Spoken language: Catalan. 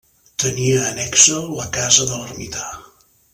Tenia annexa la casa de l'ermità.